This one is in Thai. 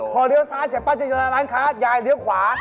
พอเหลียวซ้ายเสร็จปั้นจะเหลือร้านค้ายายเหลือขวา